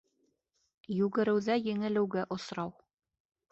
Йүгереүҙә еңелеүгә осрау